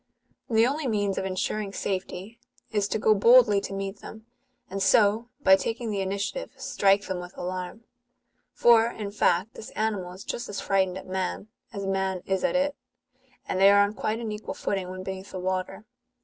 The only means of ensuring safety, is to go boldly to meet them, and so, by taking the initiative, strike them with alarm : for, in fact, this animal is just as fi:ightened at man, as man is at it; and they are on quite an equal footing when beneath the water.